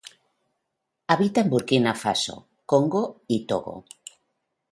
Habita en Burkina Faso, Congo y Togo.